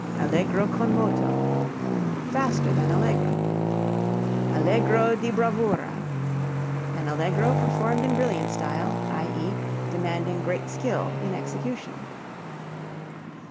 Allegro con moto faster than allegro. Allegro di bravura an allegro performed in brilliant style, i.e., demanding great skill in execution.